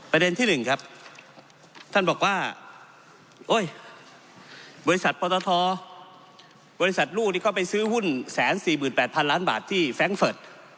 ประเด็นที่๑ครับท่านบอกว่าโอ๊ยบริษัทปตทบริษัทลูกนี้เขาไปซื้อหุ้น๑๔๘๐๐ล้านบาทที่แฟรงค์เฟิร์ต